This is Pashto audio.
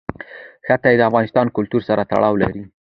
ښتې د افغان کلتور سره تړاو لري.